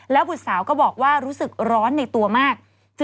บุตรสาวก็บอกว่ารู้สึกร้อนในตัวมาก